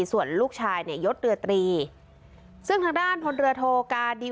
ส่วนลูกชายเนี่ยยศเรือตรีซึ่งทางด้านพลเรือโทกาดี